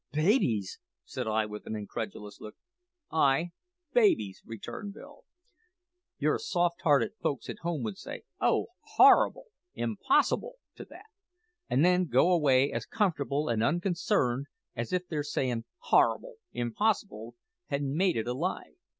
"Babies!" said I with an incredulous look. "Ay, babies," returned Bill. "Your soft hearted folk at home would say, `Oh, horrible! Impossible!' to that, and then go away as comfortable and unconcerned as if their sayin' `Horrible! impossible!' had made it a lie.